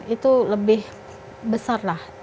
itu lebih besar lah